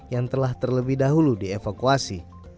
yang telah terlebih dahulu dievakuasi